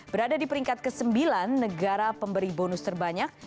berada di peringkat ke sembilan negara pemberi bonus terbanyak